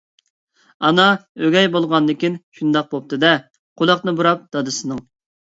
ئانا ئۆگەي بولغاندىكىن شۇنداق بوپتۇ-دە، قۇلاقنى بۇراپ دادىسىنىڭ...